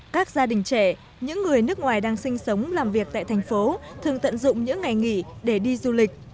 các gia đình trẻ những người nước ngoài đang sinh sống làm việc tại thành phố thường tận dụng những ngày nghỉ để đi du lịch